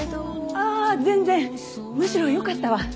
あぁ全然むしろよかったわ。